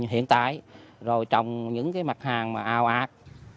hiện tại rồi trồng những cái mặt hàng mà ào ác